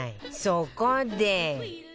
そこで